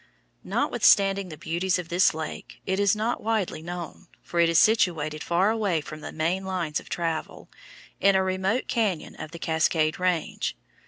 Notwithstanding the beauties of this lake, it is not widely known, for it is situated far away from the main lines of travel, in a remote cañon of the Cascade Range.